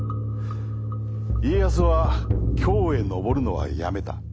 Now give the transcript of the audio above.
家康は京へ上るのはやめた。